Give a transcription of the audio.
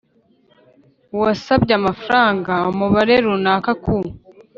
uwasabye amafaranga umubare runaka ku